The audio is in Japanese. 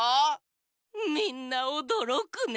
みんなおどろくね。